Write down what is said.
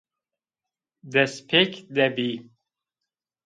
Destpêk de bî